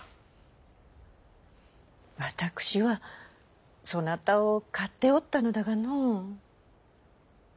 私はそなたを買っておったのだがの。